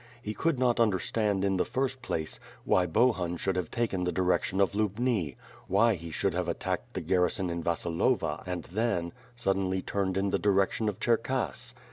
He could not understand, in the first place, why Bohun should have taken the direction of Lubni; why he should have attacked the gar rison* in Vasilova and, then, suddenly turned in the direction of Cherkass.